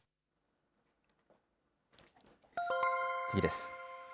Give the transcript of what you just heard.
次です。